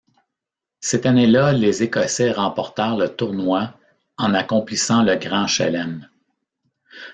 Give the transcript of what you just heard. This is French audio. C'est année là les Écossais remportèrent le tournoi en accomplissant le Grand Chelem.